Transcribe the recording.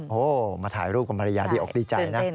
โอ้โหมาถ่ายรูปกับภรรยาดีอกดีใจนะ